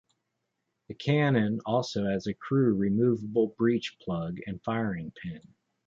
The cannon also has a crew-removable breech plug and firing pin.